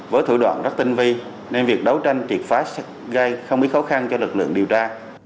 với thủ đoạn rất tinh vi nên việc đấu tranh triệt phá gây không ít khó khăn cho lực lượng điều tra